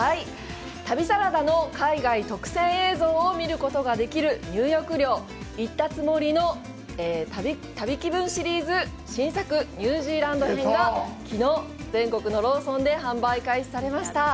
旅サラダの海外特選映像を見ることができる入浴料、「行ったつもりの旅気分シリーズ」の新作・ニュージーランド編が昨日、全国のローソンで販売開始されました。